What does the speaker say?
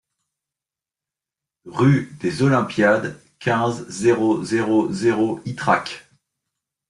Rue des Olympiades, quinze, zéro zéro zéro Ytrac